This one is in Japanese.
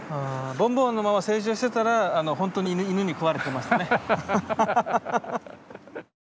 ボンボンのまま成長してたらほんとに犬に食われてましたね。